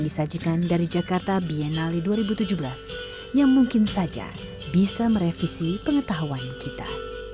disajikan dari jakarta biennale dua ribu tujuh belas yang mungkin saja bisa merevisi pengetahuan kita